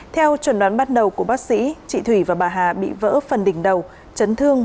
theo chuẩn đoán bắt đầu của bác sĩ chị thủy và bà hà bị vỡ phần đỉnh đầu chấn thương